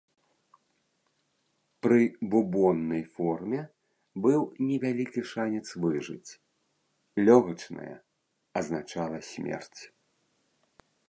Пры бубоннай форме быў невялікі шанец выжыць, лёгачная азначала смерць.